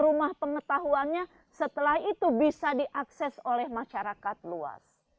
rumah pengetahuannya setelah itu bisa diakses oleh masyarakat luas